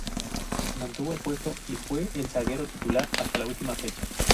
Mantuvo el puesto y fue el zaguero titular hasta la última fecha.